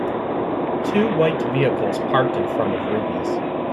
Two white vehicles parked in front of Ruby 's.